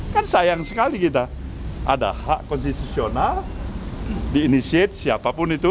kan sayang sekali kita ada hak konstitusional di inisiat siapapun itu